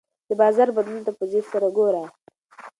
د بازار بدلون ته په ځیر سره ګوره.